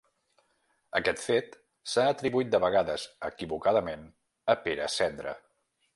Aquest fet s'ha atribuït de vegades, equivocadament, a Pere Cendra.